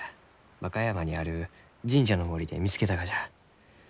和歌山にある神社の森で見つけたがじゃ。